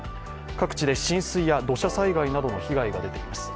各地で浸水や土砂災害などの被害が出ています。